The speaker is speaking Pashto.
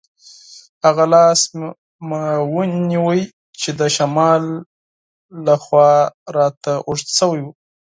هغه لاس مې ونیو چې د شمال له لوري راته اوږد شوی وو.